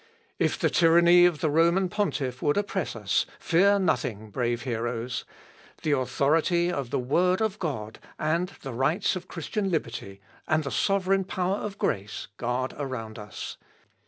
If the tyranny of the Roman pontiff would oppress us, fear nothing, brave heroes! The authority of the Word of God, the rights of Christian liberty, and the sovereign power of grace, guard around us.